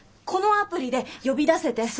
このアプリで呼び出せて。